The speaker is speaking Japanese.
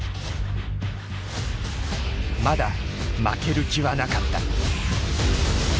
まだ負ける気はなかった。